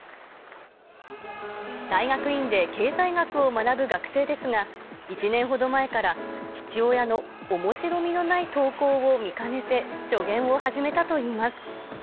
大学院で経済学を学ぶ学生ですが、１年ほど前から、父親のおもしろみのない投稿を見かねて、助言を始めたといいます。